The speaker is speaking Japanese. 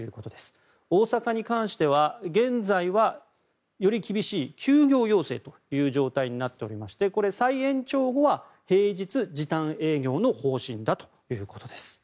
大阪に関しては現在はより厳しい休業要請という状態になっていましてこれ、再延長後は平日時短営業の方針だということです。